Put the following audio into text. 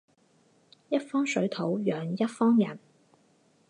一方水土养一方人